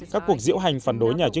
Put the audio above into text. các cuộc diễu hành phản đối nhà chức trị